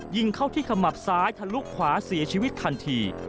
ยิงเข้าที่ขมับซ้ายทะลุขวาเสียชีวิตทันที